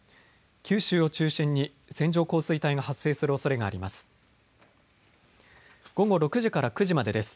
九州を中心に線状降水帯が発生するおそれがあります。